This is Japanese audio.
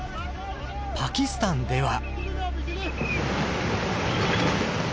パキスタンでは。